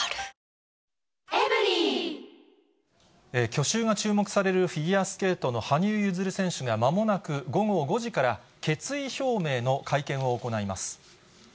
去就が注目される、フィギュアスケートの羽生結弦選手が、まもなく午後５時から、決意表明の会見を行います。